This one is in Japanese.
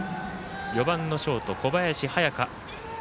４番のショート、小林隼翔。